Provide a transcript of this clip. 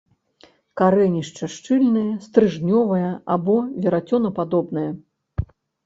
Карэнішча шчыльнае, стрыжнёвае або верацёнападобнае.